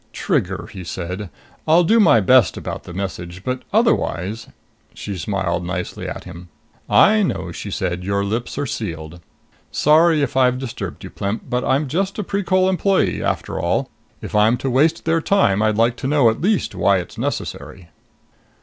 "Trigger," he said, "I'll do my best about the message. But otherwise " She smiled nicely at him. "I know," she said, "your lips are sealed. Sorry if I've disturbed you, Plemp. But I'm just a Precol employee, after all. If I'm to waste their time, I'd like to know at least why it's necessary."